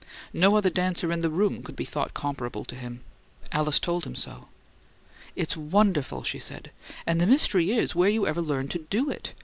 No other dancer in the room could be thought comparable to him. Alice told him so. "It's wonderful!" she said. "And the mystery is, where you ever learned to DO it!